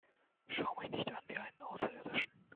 Schau mich nicht an wie einen Außerirdischen!